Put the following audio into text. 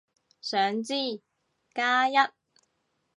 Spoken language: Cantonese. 想知，加一